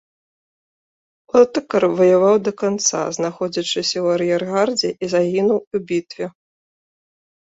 Отакар ваяваў да канца, знаходзячыся ў ар'ергардзе, і загінуў у бітве.